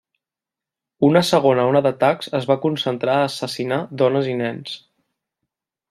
Una segona ona d'atacs es va concentrar a assassinar a dones i nens.